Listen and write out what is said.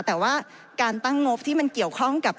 แต่ว่าการตั้งงบที่มันเกี่ยวข้องกับ